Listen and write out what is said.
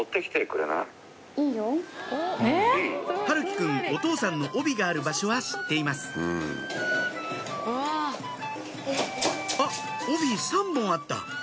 陽喜くんお父さんの帯がある場所は知っています「あっ帯３本あった」